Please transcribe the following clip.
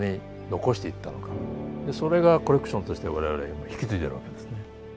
でそれがコレクションとして我々引き継いでるわけですね。